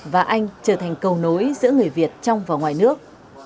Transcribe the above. và anh trở thành cầu nối giữa người việt trong và ngoài nước